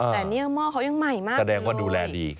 แต่เนี่ยหม้อเขายังใหม่มากแสดงว่าดูแลดี